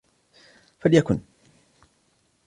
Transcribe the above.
فليكن!